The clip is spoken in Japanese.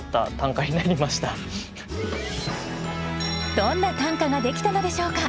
どんな短歌ができたのでしょうか？